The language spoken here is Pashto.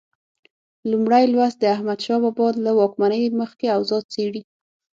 لومړی لوست د احمدشاه بابا له واکمنۍ مخکې اوضاع څېړي.